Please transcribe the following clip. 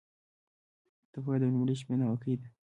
ته به وایې د لومړۍ شپې ناوکۍ ده